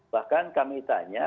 bahkan kami tanya